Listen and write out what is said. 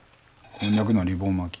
こんにゃくのリボン巻き。